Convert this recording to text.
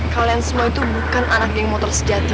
kalian semua itu bukan anak geng motor sejati